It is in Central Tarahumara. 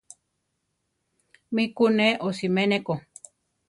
Mí ku ne osimé ne ko.